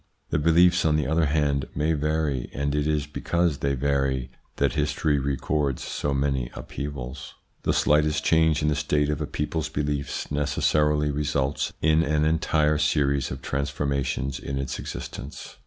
The beliefs, on the other hand, may vary, and it is because they vary that history records so many upheavals. The slightest change in the state of a people's beliefs necessarily results in an entire series of trans formations in its existence.